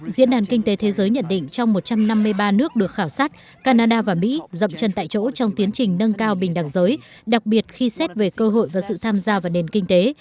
diễn đàn kinh tế thế giới nhận định trong một trăm năm mươi ba nước được khảo sát canada và mỹ dậm chân tại chỗ trong tiến trình nâng cao bình đẳng giới đặc biệt khi xét về cơ hội và sự tham gia vào nền kinh tế